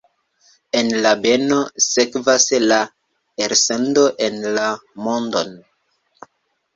El la beno sekvas la elsendo en la mondon.